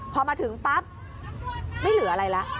พอมาถึงปั๊บไม่เหลืออะไรแล้ว